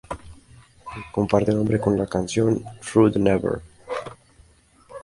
Comparte nombre con la canción "Through The Never".